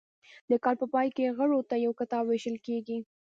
د کال په پای کې غړو ته یو کتاب ویشل کیږي.